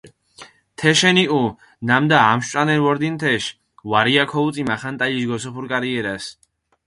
თეშენ იჸუ, ნამდა ამშვ წანერი ვორდინ თეშ ვარია ქოვუწი მახანტალიშ გოსოფურ კარიერას.